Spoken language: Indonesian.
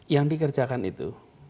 yang dikerjakan itu